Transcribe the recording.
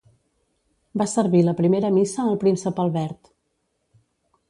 Va servir la primera missa al príncep Albert.